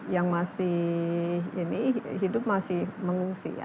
yang masih ini hidup masih mengungsi ya